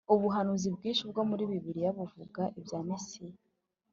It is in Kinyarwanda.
Ubuhanuzi bwinshi bwo muri Bibiliya buvuga ibya Mesiya